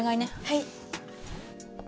はい。